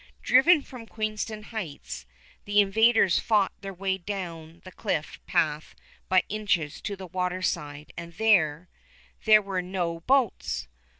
Driven from Queenston Heights, the invaders fought their way down the cliff path by inches to the water side, and there ... there were no boats!